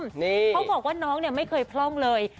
เขาบอกว่าน้องเนี่ยไม่เคยพร่องเลย